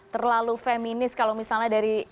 terlalu feminis kalau misalnya dari